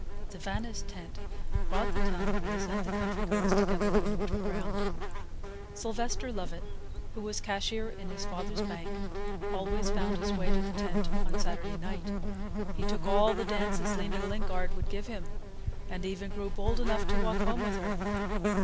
The Vannis' tent brought the town boys and the country girls together on neutral ground. Sylvester Lovett, who was cashier in his father's bank, always found his way to the tent on Saturday night. He took all the dances Lena Lingard would give him, and even grew bold enough to walk home with her.